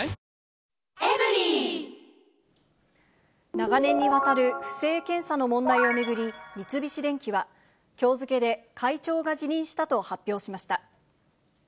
長年にわたる不正検査の問題を巡り、三菱電機は、きょう付けで会長が辞任したと発表しました。